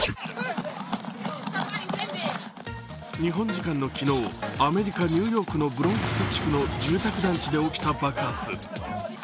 日本時間の昨日、アメリカ・ニューヨークのブロンクス地区の住宅団地で起きた爆発。